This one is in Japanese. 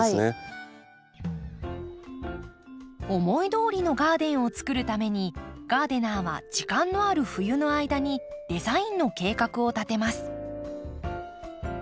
思いどおりのガーデンをつくるためにガーデナーは時間のある冬の間にデザインの計画を立てます。